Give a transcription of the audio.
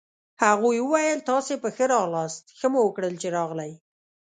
هغوی وویل: تاسي په ښه راغلاست، ښه مو وکړل چي راغلئ.